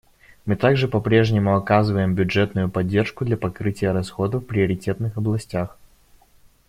Мы также по-прежнему оказываем бюджетную поддержку для покрытия расходов в приоритетных областях.